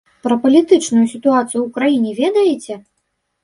Пра палітычную сітуацыю ў краіне ведаеце?